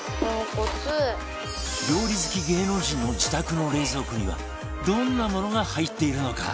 料理好き芸能人の自宅の冷蔵庫にはどんなものが入っているのか？